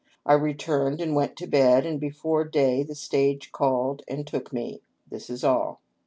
I returned and went to bed, and before day the stage called and took me. This is all.